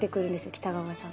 北川さん